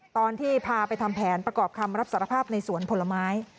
ตอนที่พาไปทำแผนประกอบคำรับสารภาพในสวนผลไม้